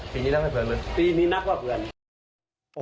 ปีนี้นักว่าเป็น